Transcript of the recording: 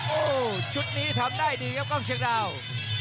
โอ้โหชุดนี้ทำได้ดีครับกล้องเชียงดาว